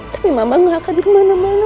tapi mama gak akan kemana mana